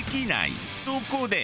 そこで。